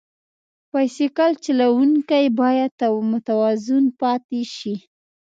بایسکل چلوونکی باید متوازن پاتې شي.